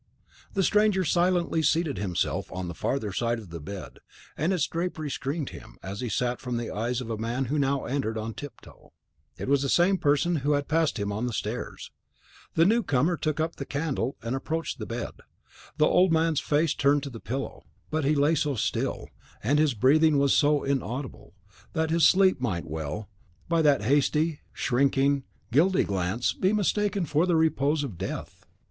The stranger silently seated himself on the farther side of the bed, and its drapery screened him, as he sat, from the eyes of a man who now entered on tiptoe; it was the same person who had passed him on the stairs. The new comer took up the candle and approached the bed. The old man's face was turned to the pillow; but he lay so still, and his breathing was so inaudible, that his sleep might well, by that hasty, shrinking, guilty glance, be mistaken for the repose of death.